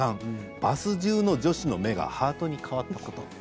バスじゅうの女子の目がハートに変わったこと。